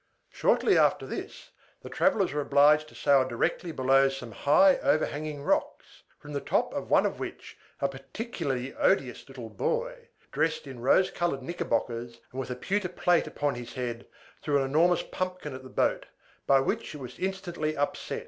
Shortly after this, the travellers were obliged to sail directly below some high overhanging rocks, from the top of one of which a particularly odious little boy, dressed in rose colored knickerbockers, and with a pewter plate upon his head, threw an enormous pumpkin at the boat, by which it was instantly upset.